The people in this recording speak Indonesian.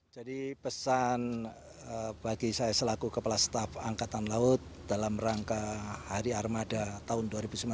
jadi pesan bagi saya selaku kepala staf angkatan laut dalam rangka hari armada tahun dua ribu sembilan belas